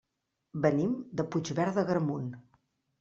Venim de Puigverd d'Agramunt.